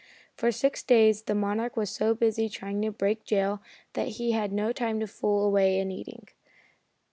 For six days the Monarch was so busy trying to break jail that he had no time to fool away in eating.